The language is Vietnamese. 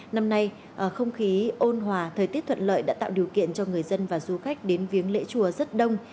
năm nay không khí ôn hòa thời tiết thuận lợi đã tạo điều kiện cho người dân và du khách đến viếng lễ chùa rất đông